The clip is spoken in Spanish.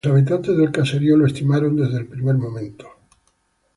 Los habitantes del caserío lo estimaron desde el primer momento.